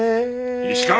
石川！